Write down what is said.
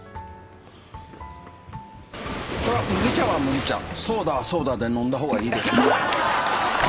これは麦茶は麦茶ソーダはソーダで飲んだ方がいいです。